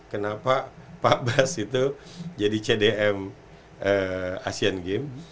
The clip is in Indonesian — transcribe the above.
kenapa pak bas itu jadi cdm asian games